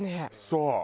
そう。